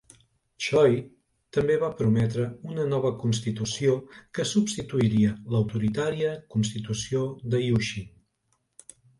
Choi també va prometre una nova constitució que substituiria l'autoritària constitució de Yushin.